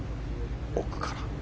奥から。